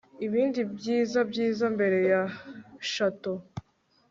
Ibindi byiza byiza mbere ya Chateau